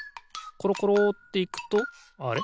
ころころっていくとあれ？